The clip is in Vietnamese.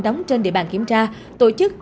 đóng trên địa bàn kiểm tra tổ chức